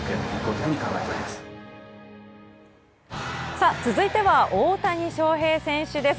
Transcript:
さあ、続いては大谷翔平選手です。